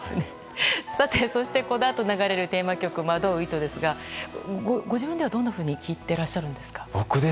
そして、このあと流れるテーマ曲「惑う糸」ですがご自分ではどんなふうに聴いてらっしゃるんですか。